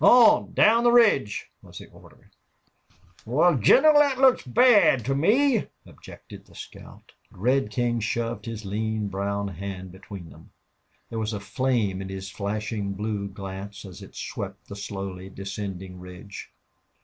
"On down the ridge!" was the order. "Wal, General, thet looks bad to me," objected the scout. Red King shoved his lean, brown hand between them. There was a flame in his flashing, blue glance as it swept the slowly descending ridge.